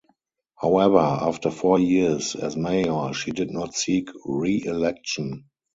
However, after four years as mayor she did not seek re-election.